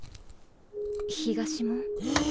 東門？